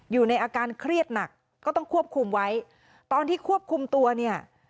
อยู่ในอาการเครียดหนักก็ต้องควบคุมไว้ตอนที่ควบคุมตัวเนี่ย